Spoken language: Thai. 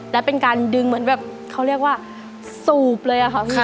และเป็นการดึงเหมือนแบบเขาเรียกว่าสูบเลยอะค่ะพี่